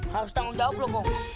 harus tanggung jawab lu kong